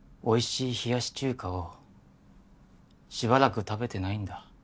おいしい冷やし中華をしばらく食べてないんだ。